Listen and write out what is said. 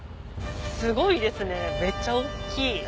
すごいですねめっちゃ大っきい。